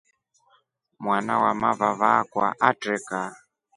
Mwana wamavava akwa atreka.